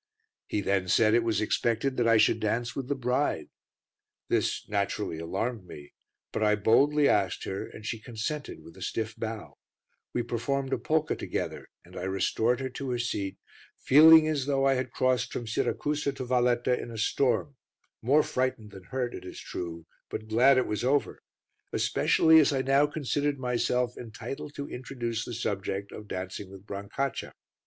He then said it was expected that I should dance with the bride. This naturally alarmed me, but I boldly asked her and she consented with a stiff bow: we performed a polka together and I restored her to her seat, feeling as though I had crossed from Siracusa to Valletta in a storm, more frightened than hurt, it is true, but glad it was over, especially as I now considered myself entitled to introduce the subject of dancing with Brancaccia.